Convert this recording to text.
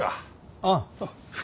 ああ。